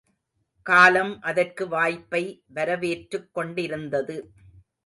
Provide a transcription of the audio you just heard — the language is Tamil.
காலம் அதற்கு வாய்ப்பை வரவேற்றுக் கொண்டிருந்தது.